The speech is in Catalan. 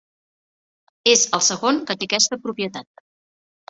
És el segon que té aquesta propietat.